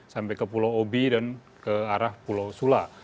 sampai ke pulau obi dan ke arah pulau sula